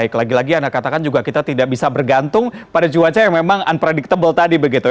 oke baik lagi lagi anda katakan kita tidak bisa bergantung pada cuaca yang memang unpredictable tadi